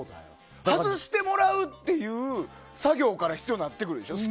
外してもらうっていう作業から必要になってくるでしょ。